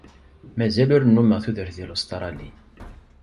Mazal ur nnumeɣ tudert di Lustṛali.